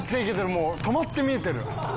もう止まって見えてる。